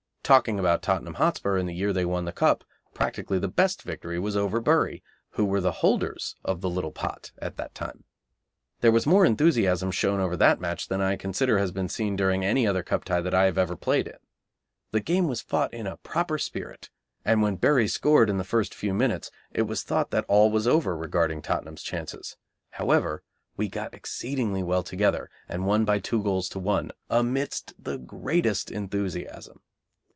Talking about Tottenham Hotspur in the year they won the Cup, practically the best victory was over Bury, who were the holders of the "Little Pot" at that time. There was more enthusiasm shown over that match than I consider has been seen during any other Cup tie that I have ever played in. The game was fought in a proper spirit, and when Bury scored in the first few minutes it was thought that all was over regarding Tottenham's chances. However, we got exceedingly well together, and won by two goals to one, amidst the greatest enthusiasm.